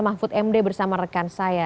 mahfud md bersama rekan saya